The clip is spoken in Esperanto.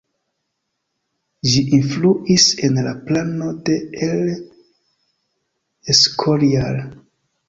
Ĝi influis en la plano de El Escorial.